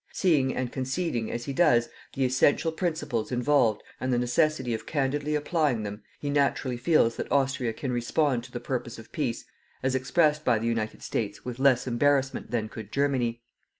Seeing and conceding, as he does, the essential principles involved and the necessity of candidly applying them, he naturally feels that Austria can respond to the purpose of peace as expressed by the United States with less embarrassment than could Germany.